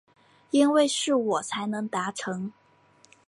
因为是我才能达成